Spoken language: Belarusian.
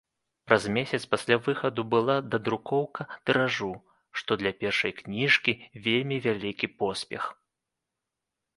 Праз месяц пасля выхаду была дадрукоўка тыражу, што для першай кніжкі вельмі вялікі поспех.